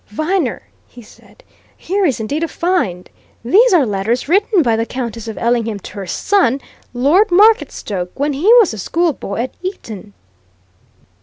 "Viner!" he said, "here is indeed a find! These are letters written by the Countess of Ellingham to her son, Lord Marketstoke, when he was a schoolboy at Eton!"